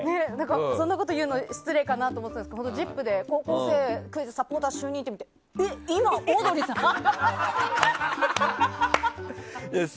そんなこと言うの失礼かなと思ったんですけど「ＺＩＰ！」で「高校生クイズ」サポーター就任を見て今、オードリーさん？って。